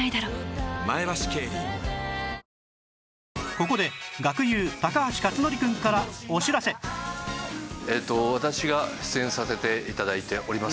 ここで学友えっと私が出演させて頂いております